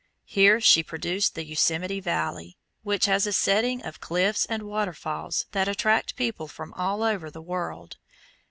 Here she produced the Yosemite Valley, which has a setting of cliffs and waterfalls that attract people from all over the world.